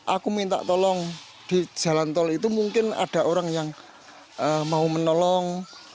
aku minta tolong di jalan tol itu mungkin ada orang yang mau menolong